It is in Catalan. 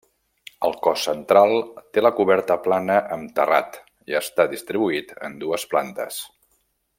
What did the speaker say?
El cos central té la coberta plana amb terrat i està distribuït en dues plantes.